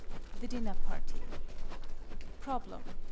THE DINNER PARTY. _Problem.